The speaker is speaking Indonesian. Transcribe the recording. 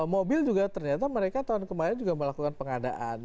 mobil juga ternyata mereka tahun kemarin juga melakukan pengadaan